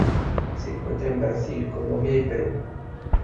Se encuentra en Brasil, Colombia y Perú.